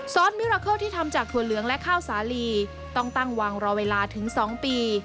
สมิราเคิลที่ทำจากถั่วเหลืองและข้าวสาลีต้องตั้งวางรอเวลาถึง๒ปี